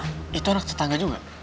oh itu anak tetangga juga